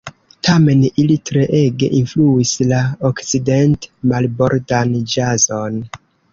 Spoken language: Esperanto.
Tamen ili treege influis la okcident-marbordan ĵazon.